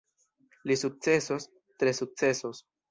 Li sukcesos, tre sukcesos.